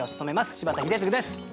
柴田英嗣です。